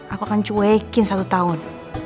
aku akan cuekin satu tahun